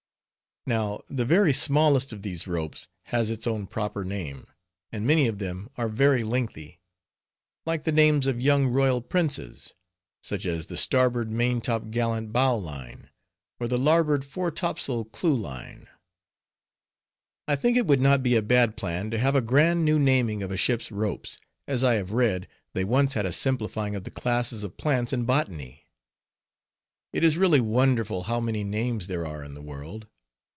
Now the very smallest of these ropes has its own proper name, and many of them are very lengthy, like the names of young royal princes, such as the starboard main top gallant bow line, or the larboard fore top sail clue line. I think it would not be a bad plan to have a grand new naming of a ship's ropes, as I have read, they once had a simplifying of the classes of plants in Botany. It is really wonderful how many names there are in the world.